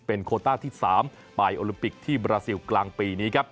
เป็นโคต้ที่๓ปลายโอลมปิกที่บราซิลกลางปีนี้